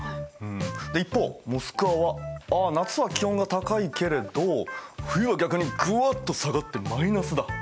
で一方モスクワはああ夏は気温が高いけれど冬は逆にぐわっと下がってマイナスだ。